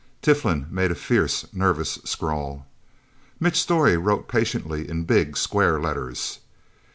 Tiflin made a fierce, nervous scrawl. Mitch Storey wrote patiently, in big, square letters.